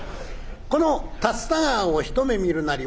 この竜田川を一目見るなり